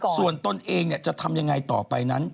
ส่วนตนเองจะทำยังไงต่อไปนั้น